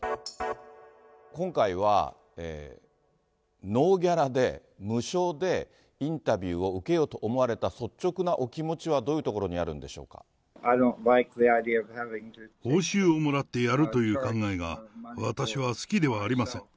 今回は、ノーギャラで、無償でインタビューを受けようと思われた率直なお気持ちはどうい報酬をもらってやるという考えが、私は好きではありません。